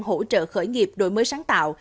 hỗ trợ khởi nghiệp đổi mới sáng tạo